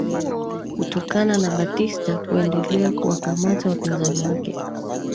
Kutokana na Batista kuendelea kuwakamata wapinzani wake